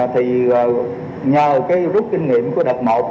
thì nhờ cái rút kinh nghiệm của đợt một